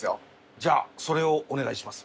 じゃあそれをお願いします。